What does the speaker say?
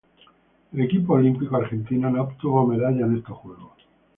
El equipo olímpico argentino no obtuvo medallas en estos Juegos.